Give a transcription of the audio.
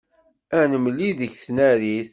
Ad nemlil deg tnarit.